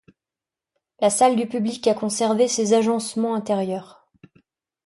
La salle du public a conservé ses agencements intérieurs.